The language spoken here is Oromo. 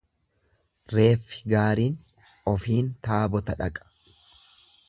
Reeffi gaariin ofiin taabota dhaqa.